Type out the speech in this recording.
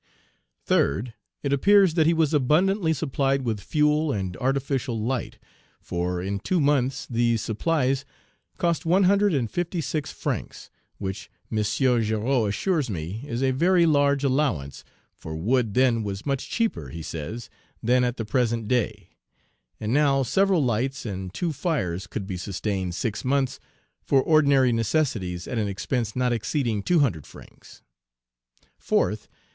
Page 356 3d. It appears that he was abundantly supplied with fuel and artificial light, for in two months these supplies cost one hundred and fifty six francs, which, M. Girod assures me, is a very large allowance, for wood then was much cheaper, he says, than at the present day; and now several lights and two fires could be sustained six months for ordinary necessities at an expense not exceeding two hundred francs. 4th.